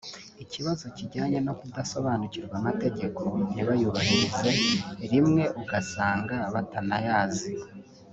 ikibazo kijyanye no kudasobanukirwa amategeko ntibayuhahirize rimwe ugasanga batanayazi